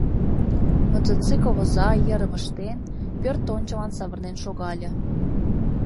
Мотоцикл оза, йырым ыштен, пӧрт ончылан савырнен шогале.